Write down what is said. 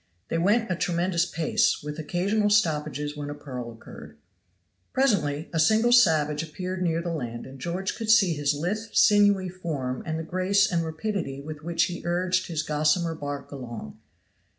They went a tremendous pace with occasional stoppages when a purl occurred. Presently a single savage appeared nearer the land and George could see his lithe, sinewy form and the grace and rapidity with which he urged his gossamer bark along.